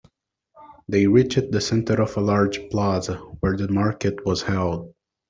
They reached the center of a large plaza where the market was held.